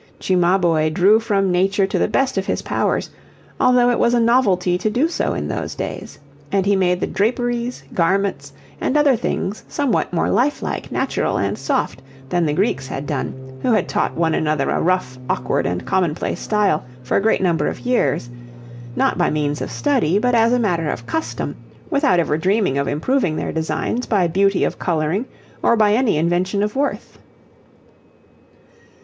Cimabue drew from nature to the best of his powers, although it was a novelty to do so in those days, and he made the draperies, garments, and other things somewhat more life like, natural, and soft than the Greeks had done, who had taught one another a rough, awkward, and commonplace style for a great number of years, not by means of study but as a matter of custom, without ever dreaming of improving their designs by beauty of colouring or by any invention of worth.